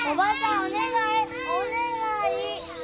お願い！